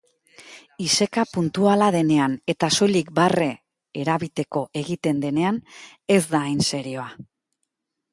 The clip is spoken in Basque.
Iseka puntuala denean eta soilik barre erabiteko egiten denean, ez da hain serioa.